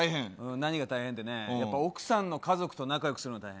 何が大変ってね、奥さんの家族と仲よくするのが大変。